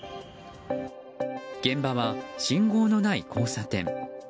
現場は信号のない交差点。